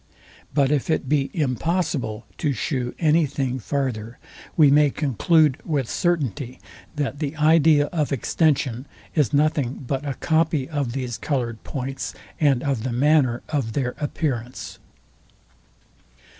But if it be impossible to shew any thing farther, we may conclude with certainty, that the idea of extension is nothing but a copy of these coloured points, and of the manner of their appearance.